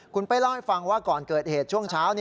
คุณเป้เล่าให้ฟังว่าก่อนเกิดเหตุช่วงเช้า